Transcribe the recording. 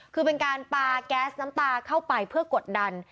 คือเป็นการปลาแก๊สน้ำตาเข้าไปเพื่อกดดัน